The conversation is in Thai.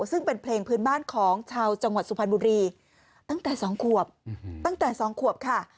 ซึ่งเป็นเพลงพื้นบ้านของชาวจังหวัดสุพรรณบุรีตั้งแต่๒ขวบตั้งแต่๒ขวบค่ะ